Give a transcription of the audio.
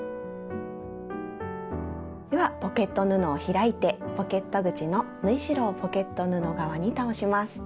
ではポケット布を開いてポケット口の縫い代をポケット布側に倒します。